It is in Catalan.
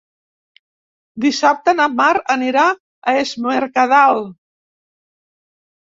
Dissabte na Mar anirà a Es Mercadal.